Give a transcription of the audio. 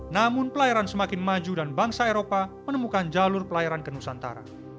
namun pelayaran semakin maju dan bangsa eropa menemukan jalur pelayaran ke nusantara